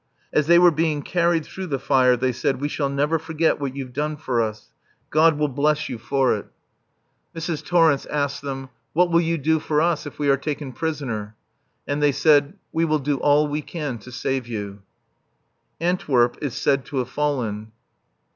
As they were being carried through the fire they said: "We shall never forget what you've done for us. God will bless you for it." Mrs. Torrence asked them, "What will you do for us if we are taken prisoner?" And they said: "We will do all we can to save you." Antwerp is said to have fallen.